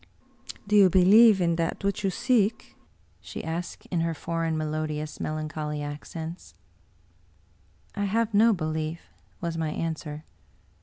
" Do you believe in that which you seek? " she asked in her foreign, melodious, melancholy accents. " 1 have no belief," was my answer.